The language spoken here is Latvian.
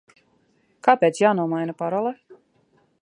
Kāpēc jānomaina parole?